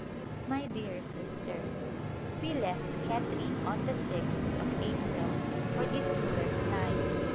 My dear Sister : We left Khetri on the 6th of April for this cooler clime.